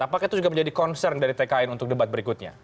apakah itu juga menjadi concern dari tkn untuk debat berikutnya